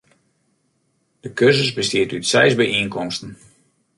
De kursus bestiet út seis byienkomsten.